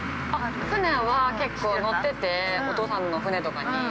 ◆船は結構乗っててー、お父さんの船とかに。